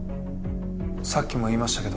さっきも言いましたけど